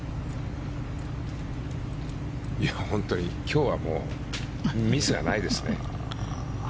今日はもうミスがないですね。